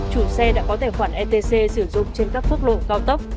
chủ xe đã có tài khoản etc sử dụng trên các phước lộ cao tốc